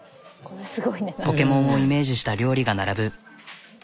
ポケモンをイメージした料理が並ぶ。